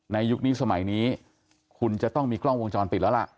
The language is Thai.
ยุคนี้สมัยนี้คุณจะต้องมีกล้องวงจรปิดแล้วล่ะ